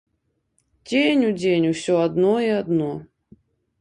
Дзень у дзень усё адно і адно.